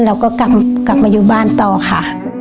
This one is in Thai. เราก็กลับมาอยู่บ้านต่อค่ะ